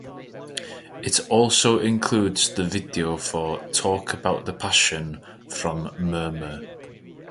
It also includes the video for "Talk About The Passion" from "Murmur".